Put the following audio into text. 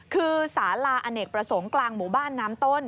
คือสาลาอเนกประสงค์กลางหมู่บ้านน้ำต้น